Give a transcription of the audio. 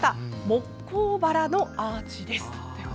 モッコウバラのアーチです。